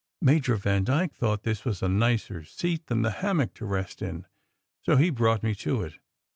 "Major Vandyke thought this was a nicer seat than the hammock to rest in, so he brought me to it.